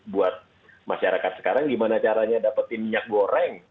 buat masyarakat sekarang gimana caranya dapetin minyak goreng